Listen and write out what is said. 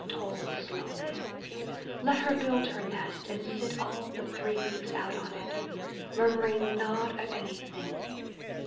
Toll slowly. Let her build her nest and sit all the three weeks out on it. Murmuring not at anything.